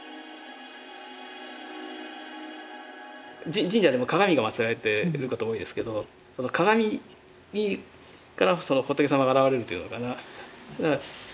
神社には鏡が祀られていることが多いですけどその鏡からその仏様が現れるというのかな。